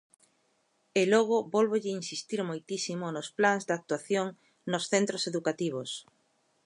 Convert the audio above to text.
E logo vólvolle insistir moitísimo nos plans de actuación nos centros educativos.